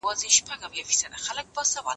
زه اوږده وخت چپنه پاکوم.